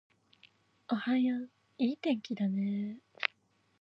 おはよう、いい天気だね